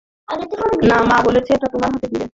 না, মা বলেছে এটা তোমার হাতে দিতে।